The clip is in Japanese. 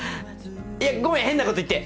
いやごめん変なこと言って。